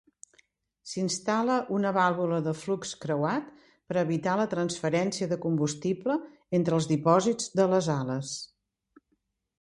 S'instal·la una vàlvula de flux creuat per evitar la transferència de combustible entre els dipòsits de les ales.